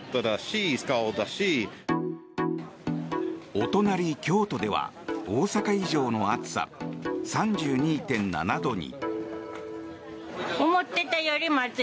お隣、京都では大阪以上の暑さ、３２．７度に。